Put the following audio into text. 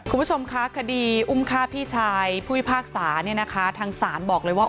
คุณผู้ชมคะคดีอุ้มฆ่าพี่ชายผู้พิพากษาเนี่ยนะคะทางศาลบอกเลยว่า